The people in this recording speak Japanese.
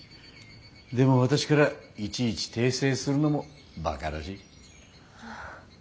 でも私からいちいち訂正するのもバカらしい。